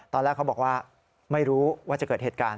ตอนแรกเขาบอกว่าไม่รู้ว่าจะเกิดเหตุการณ์